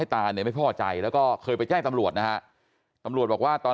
ตาเนี่ยไม่พอใจแล้วก็เคยไปแจ้งตำรวจนะฮะตำรวจบอกว่าตอน